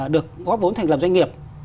được góp vốn thành lập doanh nghiệp